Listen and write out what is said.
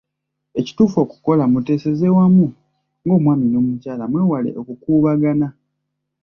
Ekituufu okukola, muteeseze wamu ng’omwami n’omukyala mwewala okukuubagana.